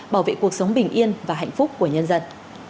bảo vệ cuộc sống bình yên và hạnh phúc của nhân dân